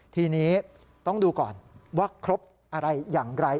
ทีนี้ต้องดูก่อนว่าครบอะไรอย่างไร